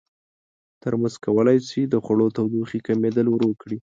ترموز کولی شي د خوړو تودوخې کمېدل ورو کړي.